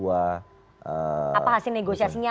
apa hasil negosiasinya